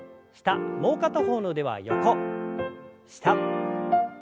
もう片方の腕は横下横。